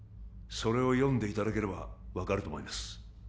それを読んでいただければ分かると思います